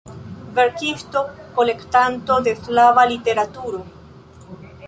Verkisto, kolektanto de slava literaturo.